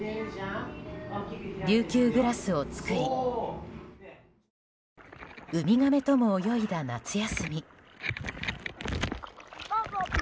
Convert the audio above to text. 琉球グラスを作りウミガメとも泳いだ夏休み。